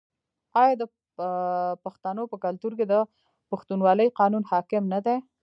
آیا د پښتنو په کلتور کې د پښتونولۍ قانون حاکم نه دی؟